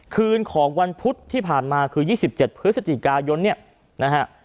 คืนของวันพุธที่ผ่านมาคือ๒๗พฤศจิกายนเนี่ยนะฮะ